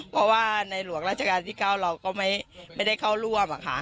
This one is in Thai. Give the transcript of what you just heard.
เพราะว่าในหลวงราชการที่๙เราก็ไม่ได้เข้าร่วม